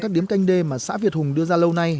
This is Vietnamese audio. các điếm canh đê mà xã việt hùng đưa ra lâu nay